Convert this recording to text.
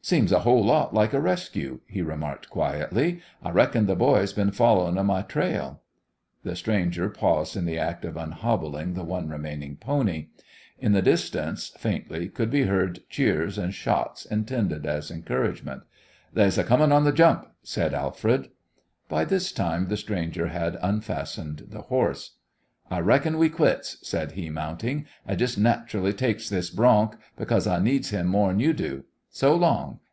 "Seems a whole lot like a rescue," he remarked, quietly. "I reckon th' boys been followin' of my trail." The stranger paused in the act of unhobbling the one remaining pony. In the distance, faintly, could be heard cheers and shots intended as encouragement. "They's comin' on th' jump," said Alfred. By this time the stranger had unfastened the horse. "I reckon we quits," said he, mounting; "I jest nat'rally takes this bronc, because I needs him more'n you do. So long.